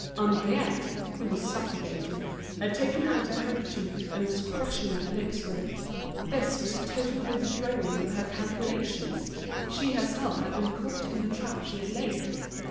Henriette, who was suffocating, had taken out her handkerchief and was crushing her lips with it. This was a total overthrowing of her calculations, she herself had been caught in the trap she had laid.